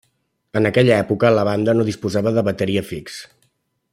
En aquella època la banda no disposava de bateria fix.